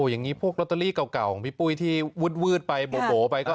อย่างนี้พวกลอตเตอรี่เก่าของพี่ปุ้ยที่วืดไปโบไปก็